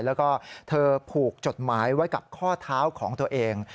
แล้วก็เธอผูกจดหมายไว้กับข้อเท้าของตัวเอง